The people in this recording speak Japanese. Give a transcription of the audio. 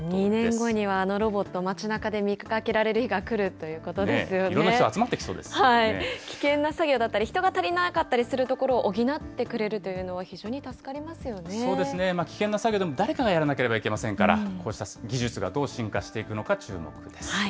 ２年後にはあのロボット、街なかで見かけられる日が来るといいろんな人、集まってきそう危険な作業だったり、人が足りなかったりするところを補ったりしてくれるというのは非常に助危険な作業でも、誰かがやらなければいけませんから、こうした技術がどう進化していくのか注目です。